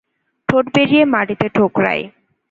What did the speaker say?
ঠোঁট বেরিয়ে মাটিতে ঠোকরায়।